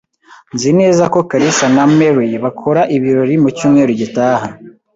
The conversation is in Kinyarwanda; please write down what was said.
Nzi neza ko kalisa na Mary bakora ibirori mu cyumweru gitaha.